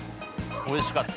◆おいしかった！